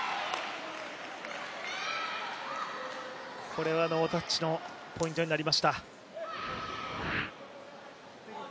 これはノータッチのポイントになりました。